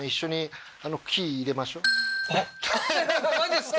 マジですか？